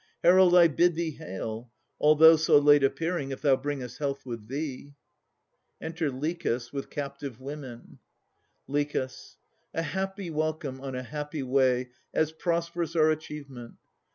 Herald, I bid thee hail, although so late Appearing, if thou bringest health with thee! Enter LICHAS, with Captive Women. LICHAS. A happy welcome on a happy way, As prosperous our achievement.